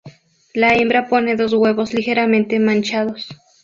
La hembra pone dos huevos ligeramente manchados.